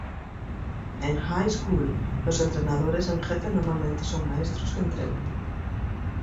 En high school, los entrenadores en jefe normalmente son maestros que entrenan.